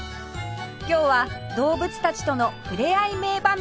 今日は動物たちとのふれあい名場面です